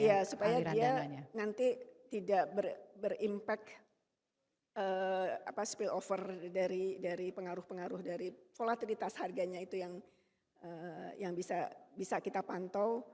iya supaya dia nanti tidak berimpak spill over dari pengaruh pengaruh dari volatilitas harganya itu yang bisa kita pantau